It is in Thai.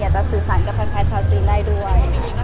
อยากจะสื่อสารกับแภนด์แฟร์ตรัสจีนได้ด้วย